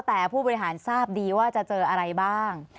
แต่ผู้บริหารทราบดีว่าจะเจออะไรบ้าง